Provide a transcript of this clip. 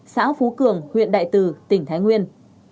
xã phú cường huyện đại từ tỉnh thái nguyên